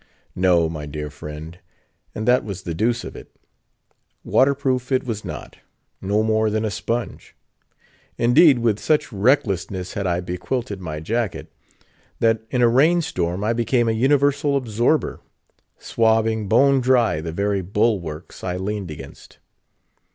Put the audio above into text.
No, my dear friend; and that was the deuce of it. Waterproof it was not, no more than a sponge. Indeed, with such recklessness had I bequilted my jacket, that in a rain storm I became a universal absorber; swabbing bone dry the very bulwarks I leaned against.